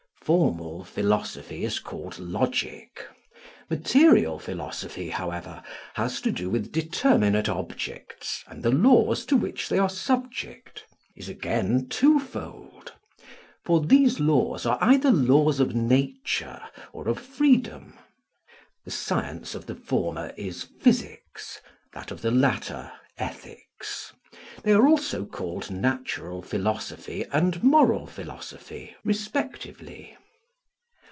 Formal philosophy is called logic. Material philosophy, however, which has to do with determinate objects and the laws to which they are subject, is again twofold; for these laws are either laws of nature or of freedom. The science of the former is physics, that of the latter, ethics; they are also called natural philosophy and moral philosophy respectively.